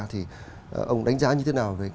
thì ông đánh giá như thế nào về